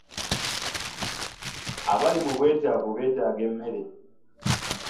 Abali mu bwetaavu beetaaga emmere.